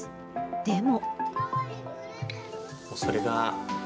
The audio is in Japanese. でも。